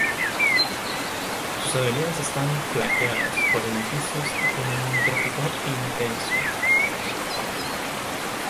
Sus avenidas están flanqueadas por edificios y tienen un tráfico intenso.